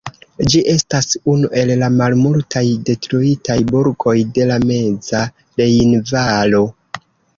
Ĝi estas unu el la malmultaj detruitaj burgoj de la meza rejnvalo.